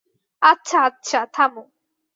আচ্ছা, আচ্ছা, থামো।